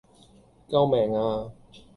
救命呀